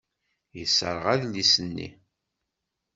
Yesserɣ adlis-nni.